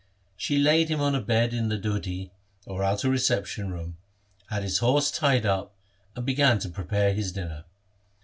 She laid him on a bed in the deudhi, or outer reception room, had his horse tied up, and began to prepare his dinner.